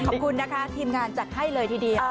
ขอบคุณนะคะทีมงานจัดให้เลยทีเดียว